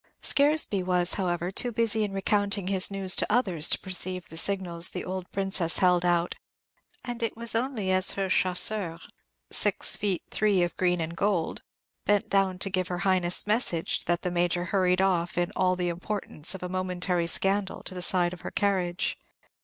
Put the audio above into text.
Scaresby was, however, too busy in recounting his news to others to perceive the signals the old Princess held out; and it was only as her chasseur, six feet three of green and gold, bent down to give her Highness's message, that the Major hurried off, in all the importance of a momentary scandal, to the side of her carriage.